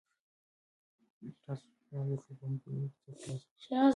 تاسو کونه د ټولنپوهنې په علم کې څه تر لاسه کړي؟